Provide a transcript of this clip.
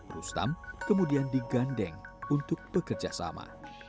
rustam kemudian digandeng untuk bekerjasama